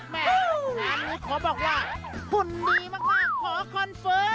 แม่งานนี้ขอบอกว่าหุ่นดีมากขอคอนเฟิร์ม